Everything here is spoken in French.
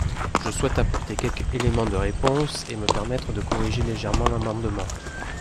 Je souhaite apporter quelques éléments de réponse et me permettre de corriger légèrement l’amendement.